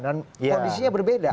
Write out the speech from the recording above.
dan kondisinya berbeda